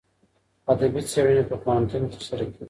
ادبي څېړني په پوهنتون کي ترسره کیږي.